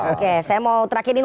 oke saya mau terakhirin